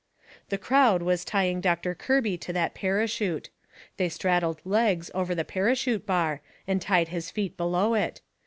The crowd was tying Doctor Kirby to that parachute. They straddled legs over the parachute bar, and tied his feet below it.